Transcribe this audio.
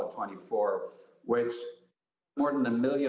pertemuan pertama di tahun dua ribu dua puluh empat